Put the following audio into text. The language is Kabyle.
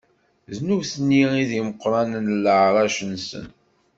D nutni i d imeqranen n leɛṛac-nsen.